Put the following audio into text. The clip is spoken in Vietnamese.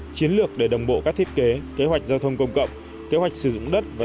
chiến lược để đồng bộ các thiết kế kế hoạch giao thông công cộng kế hoạch sử dụng đất và